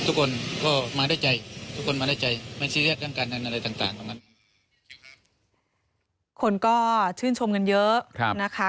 คนก็ชื่นชมกันเยอะ